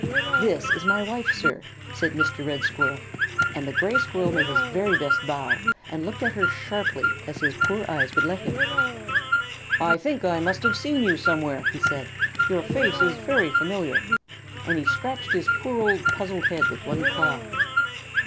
"This is my wife, sir," said Mr. Red Squirrel, and the Gray Squirrel made his very best bow and looked at her as sharply as his poor eyes would let him. "I think I must have seen you somewhere," he said; "your face is very familiar." And he scratched his poor old puzzled head with one claw.